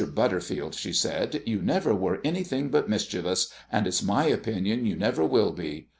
Butterfield," she said, "you never were anything but mischievous, and it's my opinion you never will be.